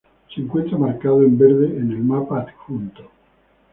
Se encuentra marcado en verde en el mapa adjunto.